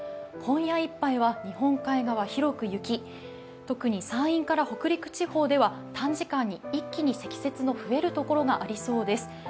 今夜いっぱいは日本海側、広く雪、特に山陰から北陸地方では短時間に一気に積雪の増える所がありそうです。